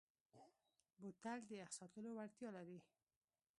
بوتل د یخ ساتلو وړتیا لري.